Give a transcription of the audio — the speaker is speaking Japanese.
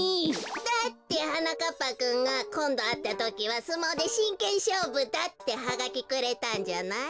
だってはなかっぱくんが「こんどあったときはすもうでしんけんしょうぶだ」ってハガキくれたんじゃない。